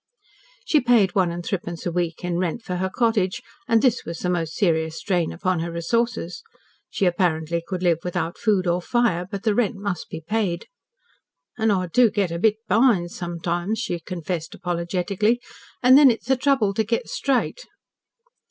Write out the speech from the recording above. She paid one and threepence a week in rent for her cottage, and this was the most serious drain upon her resources. She apparently could live without food or fire, but the rent must be paid. "An' I do get a bit be'ind sometimes," she confessed apologetically, "an' then it's a trouble to get straight."